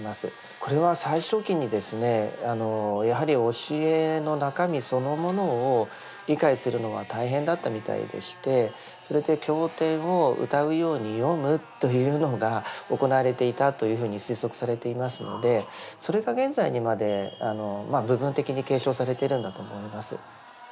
これは最初期にですねやはり教えの中身そのものを理解するのが大変だったみたいでしてそれで経典を歌うように読むというのが行われていたというふうに推測されていますのでそれが現在にまで部分的に継承されてるんだと思います。